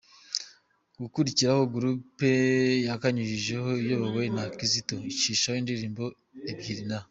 gukurikiraho group yakanyujijeho iyobowe na Kizito icishaho indirimbo ebyiri na.